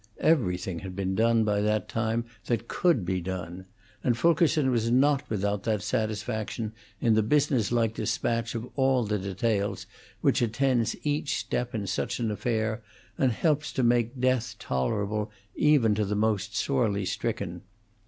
Everything had been done, by that time, that could be done; and Fulkerson was not without that satisfaction in the business like despatch of all the details which attends each step in such an affair and helps to make death tolerable even to the most sorely stricken.